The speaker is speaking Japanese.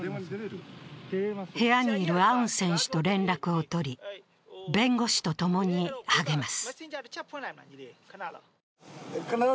部屋に居るアウン選手と連絡を取り弁護士とともに励ます。